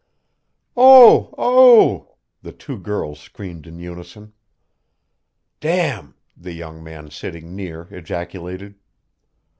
"Oh! Oh!" the two girls screamed in unison. "D !" the young man sitting near ejaculated.